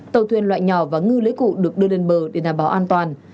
tàu thuyền loại nhỏ và ngư lưới cụ được đưa lên bờ để đảm bảo an toàn